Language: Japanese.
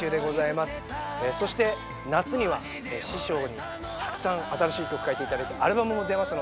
そして夏には師匠にたくさん新しい曲を書いていただいたアルバムも出ます。